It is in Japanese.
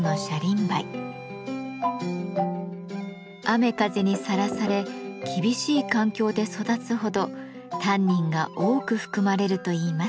雨風にさらされ厳しい環境で育つほどタンニンが多く含まれるといいます。